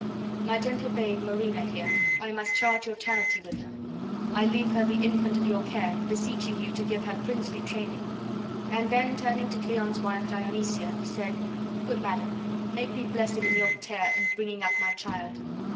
My gentle babe, Marina here, I must charge your charity with her. I leave her the infant of your care, beseeching you to give her princely training." And then turning to Cleon's wife, Dionysia, he said, "Good madam, make me blessed in your tare in bringing up my child."